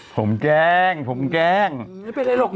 ผมแกล้งผมแกล้งไม่เป็นไรหรอก